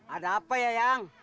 ada apa ya yang